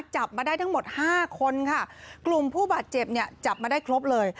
จับมาได้ทั้งหมดห้าคนค่ะกลุ่มผู้บาดเจ็บเนี่ยจับมาได้ครบเลย